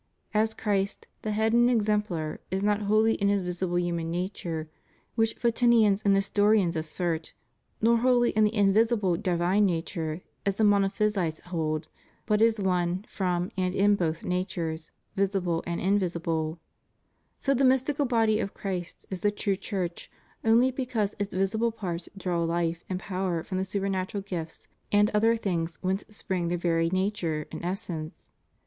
As Christ, the head and exemplar, is not wholly in His visible human nature, which Photin ians and Nestorians assert, nor wholly in the invisible divine nature, as the Monophysites hold, but is one, from and in both natures, visible and invisible; so the mystical body of Christ is the true Church only because its visible parts draw hfe and power from the supernatural gifts and other things whence spring their very nature and essence.